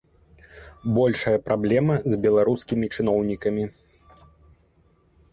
Большая праблема з беларускімі чыноўнікамі.